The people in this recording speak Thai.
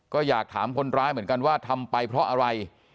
ก็อยากถามคนร้ายเหมือนกันว่าทำไปเพราะอะไร